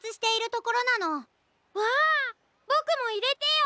わあボクもいれてよ！